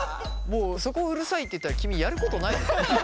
もう、そこ、うるさいって言ったら君やることないよ。